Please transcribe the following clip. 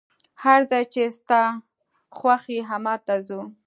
هر ځای چي ستا خوښ وو، همالته ځو.